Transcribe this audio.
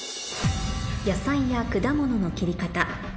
野菜や果物の切り方